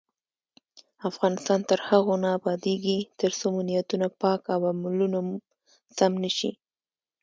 افغانستان تر هغو نه ابادیږي، ترڅو مو نیتونه پاک او عملونه سم نشي.